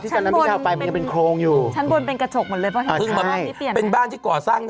เสร็จแล้วหรอเหมือนคนที่บ้านหน่อย